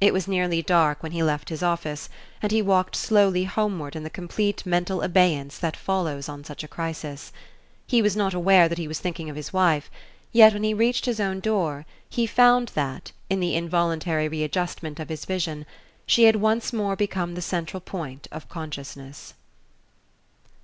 It was nearly dark when he left his office, and he walked slowly homeward in the complete mental abeyance that follows on such a crisis. He was not aware that he was thinking of his wife; yet when he reached his own door he found that, in the involuntary readjustment of his vision, she had once more become the central point of consciousness.